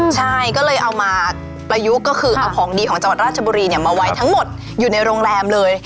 ใช่ก็เลยเอามาประยุกต์ก็คือเอาของดีของจังหวัดราชบุรีมาไว้ทั้งหมดอยู่ในโรงแรมเลย